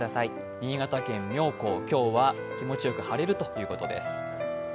新潟県妙高、今日は気持ちよく晴れるということです。